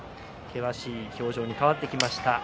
険しい表情に変わってきました。